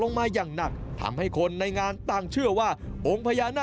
ลงมายังหนักทำให้คนในงานต่างเชื่อว่า